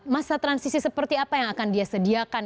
masa transisi seperti apa yang akan dia sediakan